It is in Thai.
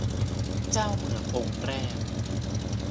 เจ้าเมืององค์แรก